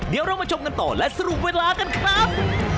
เดี๋ยวเรามาชมกันต่อและสรุปเวลากันครับ